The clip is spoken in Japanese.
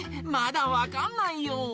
まだわかんないよ。